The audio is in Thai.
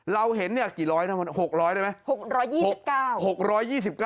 เราเห็นเนี่ยกี่ร้อยนะหกร้อยใช่ไหม